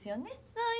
はい。